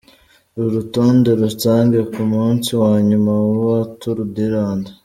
Urutonde rusange ku munsi wa nyuma wa Turu di Rwanda .